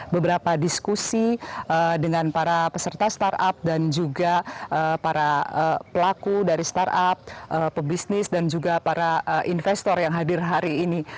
beberapa diskusi dengan para peserta startup dan juga para pelaku dari startup pebisnis dan juga para investor yang hadir hari ini